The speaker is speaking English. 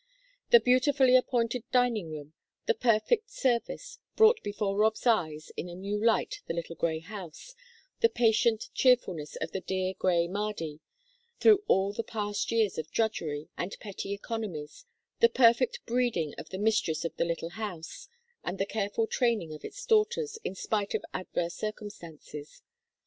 The beautifully appointed dining room, the perfect service, brought before Rob's eyes in a new light the little grey house, the patient cheerfulness of the dear Grey Mardy through all the past years of drudgery and petty economies, the perfect breeding of the mistress of the little house, and the careful training of its daughters, in spite of adverse circumstances.